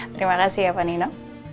terima kasih ya panino